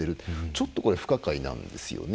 ちょっと不可解なんですよね。